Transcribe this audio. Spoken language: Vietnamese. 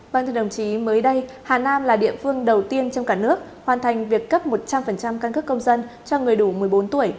vâng thưa đồng chí mới đây hà nam là địa phương đầu tiên trong cả nước hoàn thành việc cấp một trăm linh căn cước công dân cho người đủ một mươi bốn tuổi